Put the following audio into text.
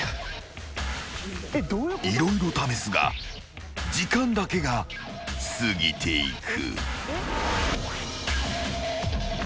［色々試すが時間だけが過ぎていく］